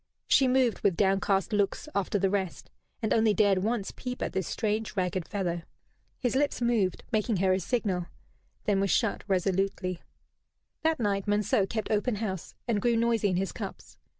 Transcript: She moved, with downcast looks, after the rest, and only dared once peep at this strange ragged fellow. His lips moved, making her a signal, then were shut resolutely. That night Monceux kept open house and grew noisy in his cups.